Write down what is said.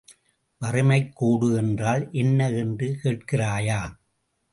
வறுமைக்கோடு என்றால் என்ன என்று கேட்கிறாயா?